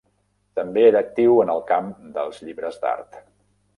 També era actiu en el camp dels llibres d'art.